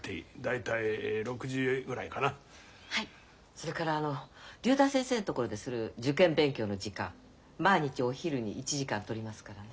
それからあの竜太先生んところでする受験勉強の時間毎日お昼に１時間取りますからね。